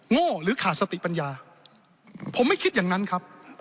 โง่หรือขาดสติปัญญาผมไม่คิดอย่างนั้นครับ